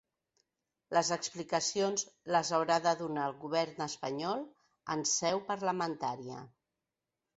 Les explicacions les haurà de donar el govern espanyol en seu parlamentària.